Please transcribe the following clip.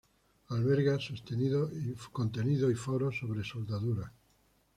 Alberga contenido y foros sobre soldadura.